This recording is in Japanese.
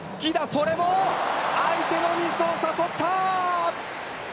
それも相手のミスを誘った！